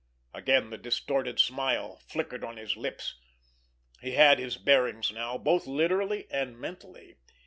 Again the distorted smile flickered on his lips. He had his bearings now, both literally and mentally.